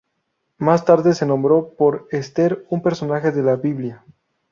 Más tarde se nombró por Ester, un personaje de la Biblia.